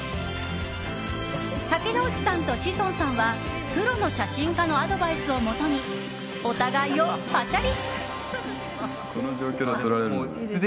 竹野内さんと志尊さんはプロの写真家のアドバイスをもとにお互いをパシャリ。